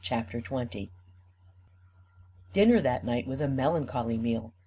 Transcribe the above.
CHAPTER XX Dinner, that night, was a melancholy meal.